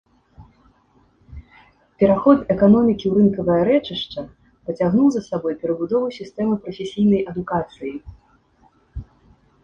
Пераход эканомікі ў рынкавае рэчышча пацягнуў за сабой перабудову сістэмы прафесійнай адукацыі.